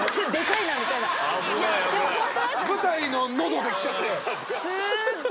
舞台の喉で来ちゃって。